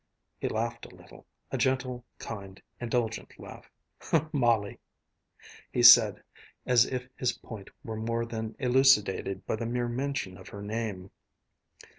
He laughed a little, a gentle, kind, indulgent laugh. "Molly!" he said, as if his point were more than elucidated by the mere mention of her name.